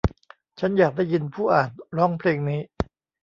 ฉันอยากได้ยินผู้อ่านร้องเพลงนี้